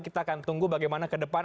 kita akan tunggu bagaimana ke depan